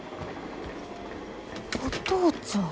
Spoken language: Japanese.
お父ちゃん。